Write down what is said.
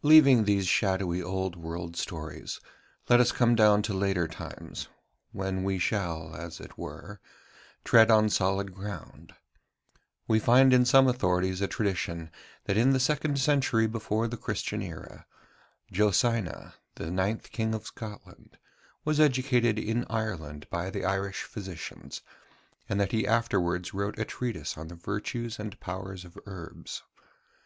Leaving these shadowy old world stories, let us come down to later times, when we shall, as it were, tread on solid ground. We find in some authorities a tradition that in the second century before the Christian era, Josina, the ninth king of Scotland, was educated in Ireland by the Irish physicians, and that he afterwards wrote a treatise on the virtues and powers of herbs.